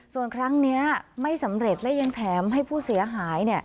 ส่วนครั้งนี้ไม่สำเร็จและยังแถมให้ผู้เสียหาย